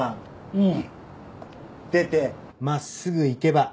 うん！